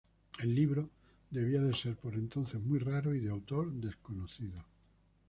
El libro debía de ser por entonces muy raro, y de autor desconocido.